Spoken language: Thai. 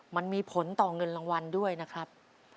มันมีผลต่อเงินรางวัลด้วยนะครับ